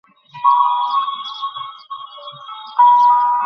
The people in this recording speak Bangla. নাচতে নাচতে এক সময় এ অর্ধউলঙ্গ পোশাকটুকুও শরীর থেকে খসে পড়ে।